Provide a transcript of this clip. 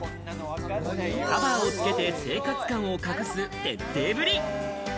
カバーをつけて生活感を隠す徹底ぶり。